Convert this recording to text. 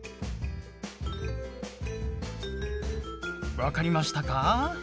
分かりましたか？